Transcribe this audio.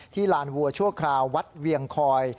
ลานวัวชั่วคราววัดเวียงคอย